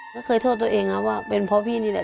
ก็เคยโทษตัวเองนะว่าเป็นเพราะพี่นี่แหละ